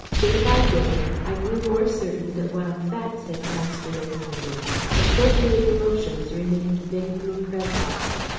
Day by day I grew more certain that while facts had passed away from me, appropriate emotions remained vaguely present.